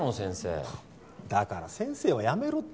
ははっだから先生はやめろって。